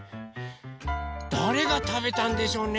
だれがたべたんでしょうね？